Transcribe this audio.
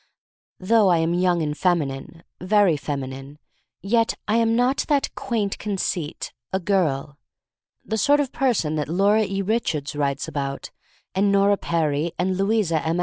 Though I am young and feminine — very feminine — ^yet I am not that quaint conceit, a girl: the sort of person that Laura E. Richards writes about, and Nora Perry, and Louisa M.